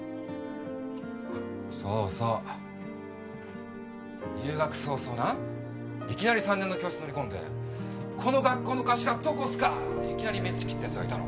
そうそう入学早々ないきなり３年の教室乗り込んで「この学校の頭どこっすか？」っていきなりメンチ切ったやつがいたの。